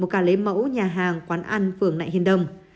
một ca lấy mẫu nhà hàng quán ăn phường nại hiên đông